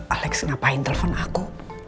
alex ngapain telfon aku